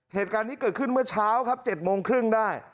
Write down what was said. เหตุการณ์นี้เกิดขึ้นเมื่อเช้าครับ๗โมงครึ่งได้